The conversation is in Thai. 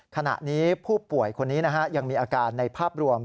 ขณะนี้ผู้ป่วยคนนี้ยังมีอาการในภาพรวม